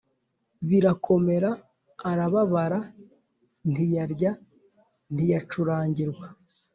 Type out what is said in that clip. birakomera arababara ntiyarya ntiyacurangirwa